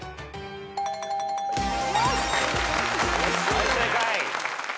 はい正解。